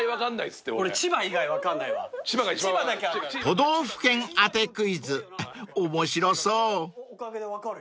［都道府県当てクイズ面白そう］